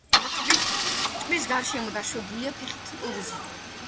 ტბის გარშემო დაშვებულია ფეხით ტურიზმი.